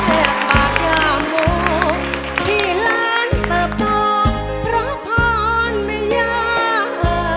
เจ้าเจ้าบาทยามูกที่ล้านเติบตกเพราะพรรณมิญญาณ